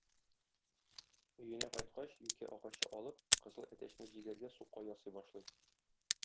Өенә кайткач юкә агачы алып, кызыл әтәчне җигәргә сука ясый башлый.